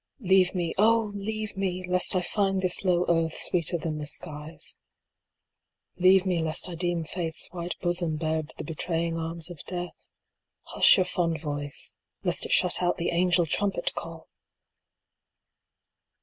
T EAVE me ; oh ! leave me, Lest I find this low earth sweeter than the skies. Leave me lest I deem Faith s white bosom bared to the betraying arms of Death. Hush your fond voice, lest it shut out the angel trum pet call